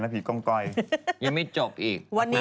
พี่กองกรอยน์ยังไม่จบอีก